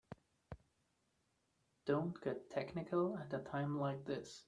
Don't get technical at a time like this.